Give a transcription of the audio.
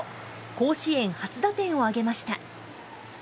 甲子園初打点を挙げました。